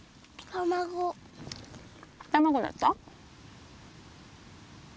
卵だった？